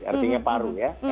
artinya paru ya